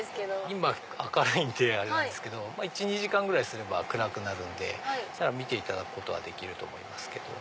今明るいんであれですけど１２時間すれば暗くなるんで見ていただくことはできると思う。